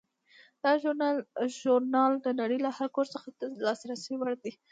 دا ژورنال د نړۍ له هر ګوټ څخه د لاسرسي وړ دی.